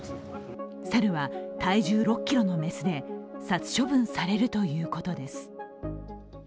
猿は体重６ｋｇの雌で殺処分されるということです。